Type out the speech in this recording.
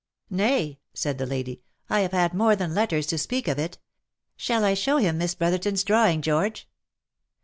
" Nay," said the lady, " I have had more than letters to speak for it. Shall I show him Miss Brotherton's drawing, George